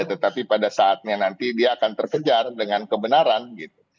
tetapi pada saatnya nanti dia akan terkejar dengan kebenaran gitu